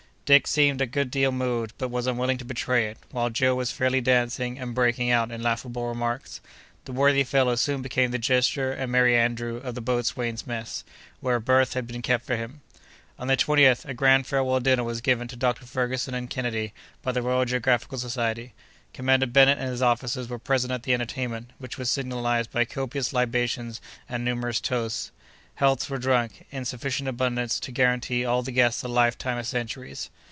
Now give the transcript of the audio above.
Dick seemed a good deal moved, but was unwilling to betray it; while Joe was fairly dancing and breaking out in laughable remarks. The worthy fellow soon became the jester and merry andrew of the boatswain's mess, where a berth had been kept for him. On the 20th, a grand farewell dinner was given to Dr. Ferguson and Kennedy by the Royal Geographical Society. Commander Bennet and his officers were present at the entertainment, which was signalized by copious libations and numerous toasts. Healths were drunk, in sufficient abundance to guarantee all the guests a lifetime of centuries.